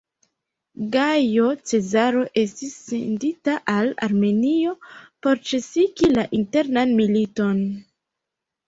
Gajo Cezaro estis sendita al Armenio por ĉesigi la internan militon.